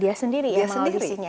dia sendiri yang melakukan audisinya